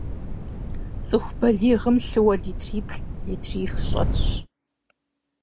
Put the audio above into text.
Цӏыхухъу балигъым лъыуэ литриплӏ-литрих щӏэтщ.